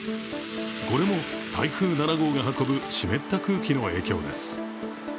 これも台風７号が運ぶ湿った空気の影響です。